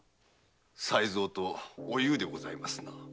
才蔵とおゆうでございますね？